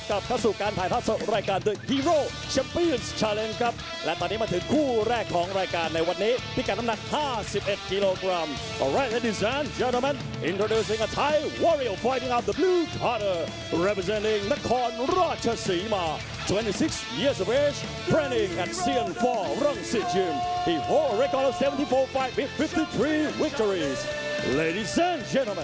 สวัสดีทุกคนสวัสดีทุกคนสวัสดีทุกคนสวัสดีทุกคนสวัสดีทุกคนสวัสดีทุกคนสวัสดีทุกคนสวัสดีทุกคนสวัสดีทุกคนสวัสดีทุกคนสวัสดีทุกคนสวัสดีทุกคนสวัสดีทุกคนสวัสดีทุกคนสวัสดีทุกคนสวัสดีทุกคนสวัสดีทุกคนสวัสดีทุกคนสวัสดีทุกคนสวัสดีทุกคนสวั